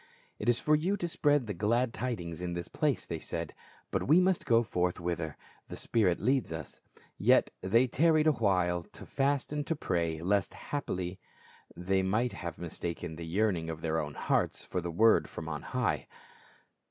" It is for you to spread the glad tidings in this place," they said, "but we must go forth whither the spirit leads us." Yet they tarried awhile to fast and to pray, lest haply they might have mistaken the yearning of their own hearts for the word from on high.